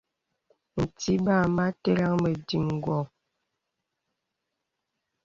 Ntí bà amà tərəŋ mə diəŋ gô.